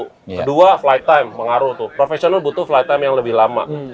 kedua flight time pengaruh tuh profesional butuh fly time yang lebih lama